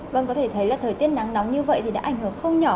vâng có thể thấy là thời tiết nắng nóng như vậy thì đã ảnh hưởng không nhỏ